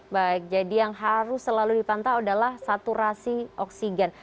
baik jadi yang harus selalu dipantau adalah saturasi oksigen